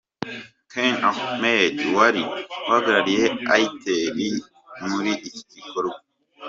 Ken Ahmed wari uhagarariye Itel muri iki gikorwa.